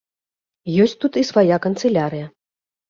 Ёсць тут і свая канцылярыя.